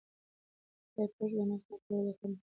آیا پوهېږئ چې د ماسک نه کارول د قانون خلاف عمل دی؟